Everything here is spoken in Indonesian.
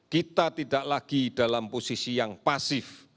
kita tidak lagi dalam posisi yang pasif